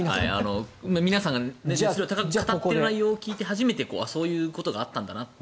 皆さんが熱量高く語ってる内容を聞いて初めてああ、そういうことがあったんだなって。